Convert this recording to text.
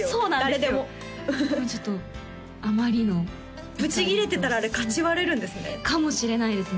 でもちょっとあまりのぶちギレてたらあれかち割れるんですねかもしれないですね